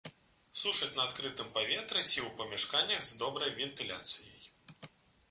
Сушаць на адкрытым паветры ці ў памяшканнях з добрай вентыляцыяй.